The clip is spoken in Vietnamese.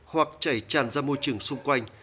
hoặc chảy tràn ra môi trường xung quanh